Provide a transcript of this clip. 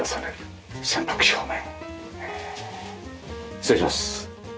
失礼します。